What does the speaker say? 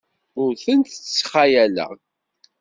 Ur tent-ttxayaleɣ.